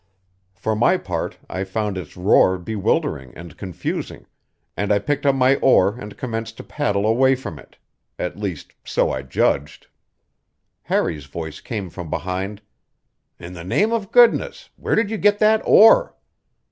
For my part, I found its roar bewildering and confusing, and I picked up my oar and commenced to paddle away from it; at least, so I judged. Harry's voice came from behind: "In the name of goodness, where did you get that oar?"